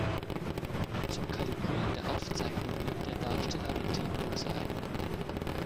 Zum Kalibrieren der Aufzeichnung nimmt der Darsteller eine T-Pose ein.